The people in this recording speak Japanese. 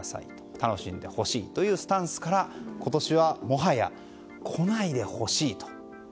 楽しんでほしいというスタンスから今年は、もはや来ないでほしいと。